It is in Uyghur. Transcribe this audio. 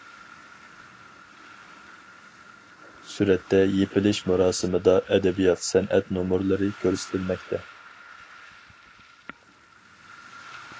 سۈرەتتە يېپىلىش مۇراسىمىدا ئەدەبىيات- سەنئەت نومۇرلىرى كۆرسىتىلمەكتە.